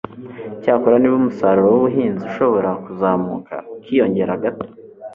icyakora, niba umusaruro w'ubuhinzi ushobora kuzamuka ukiyongera gato